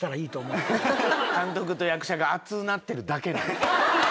監督と役者が熱うなってるだけの。